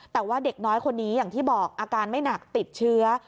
แต่ว่าเด็กน้อยคนนี้อย่างที่บอกอาการไม่หนักติดเชื้อ